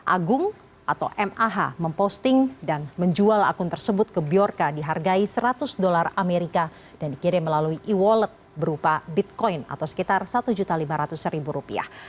agung atau mah memposting dan menjual akun tersebut ke biorca dihargai seratus dolar amerika dan dikirim melalui e wallet berupa bitcoin atau sekitar satu lima ratus rupiah